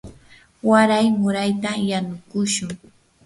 waray murayta yanukushun.